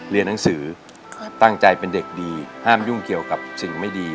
เรียนหนังสือตั้งใจเป็นเด็กดีห้ามยุ่งเกี่ยวกับสิ่งไม่ดี